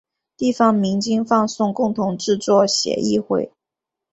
地方民间放送共同制作协议会。